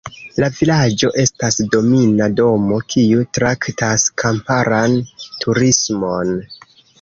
La vilaĝo estas domina domo, kiu traktas kamparan turismon.